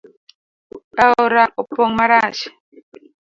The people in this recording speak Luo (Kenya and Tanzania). Aora opong marach